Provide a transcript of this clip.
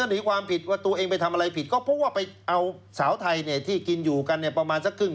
ให้คาตเตอร์ปากคอตัวเอง